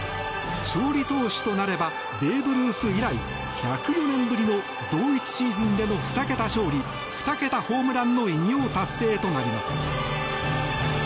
勝利投手となればベーブ・ルース以来１０４年ぶりの同一シーズンでの２桁勝利、２桁ホームランの偉業達成となります。